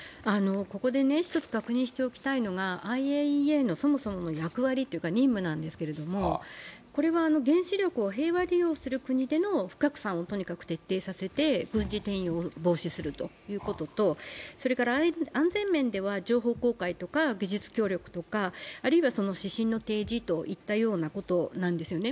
ここで一つ確認しておきたいのはＩＡＥＡのそもそもの役割というか任務なんですけれども、これは原子力を平和に利用する国での不拡散をとにかく徹底させて軍事転用を防止するということとそれから安全面では情報公開とか技術協力とか指針の提示といったことなんですね。